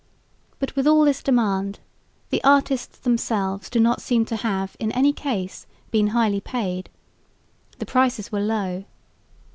But with all this demand the artists themselves do not seem to have in any case been highly paid. The prices were low.